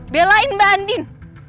belain mbak andin